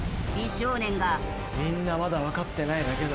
みんなまだわかってないだけだ。